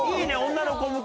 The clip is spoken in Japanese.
女の子向けな。